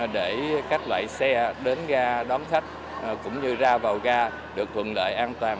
để các loại xe đến ga đón khách cũng như ra vào ga được thuận lợi an toàn